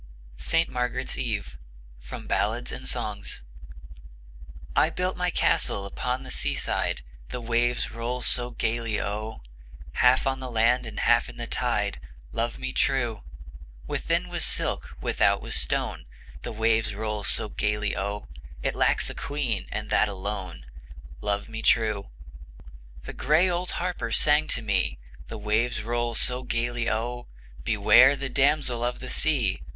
From 'Ballads and Songs.' ST. MARGARET'S EVE I built my castle upon the seaside, The waves roll so gayly O, Half on the land and half in the tide, Love me true! Within was silk, without was stone, The waves roll so gayly O, It lacks a queen, and that alone, Love me true! The gray old harper sang to me, The waves roll so gayly O, "Beware of the Damsel of the Sea!"